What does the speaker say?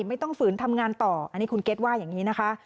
ฝืนทำงานต่ออันนี้คุณเก็ตว่าอย่างนี้นะคะ